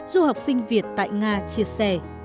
du học sinh việt tại nga chia sẻ